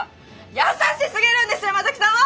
優しすぎるんですよ山崎さんは！